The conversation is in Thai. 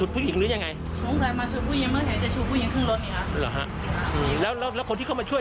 ที่นี่มีปัญหา